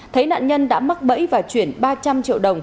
thấy nạn nhân đã mắc bẫy và chuyển ba trăm linh triệu đồng